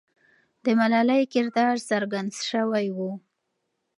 د ملالۍ کردار څرګند سوی وو.